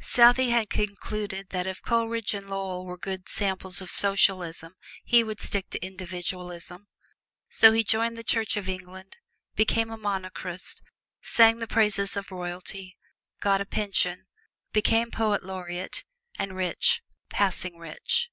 Southey had concluded that if Coleridge and Lovell were good samples of socialism he would stick to individualism. So he joined the Church of England, became a Monarchist, sang the praises of royalty, got a pension, became Poet Laureate, and rich passing rich.